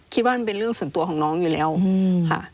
คิดว่ามันเป็นเรื่องส่วนตัวของน้องอยู่แล้วค่ะ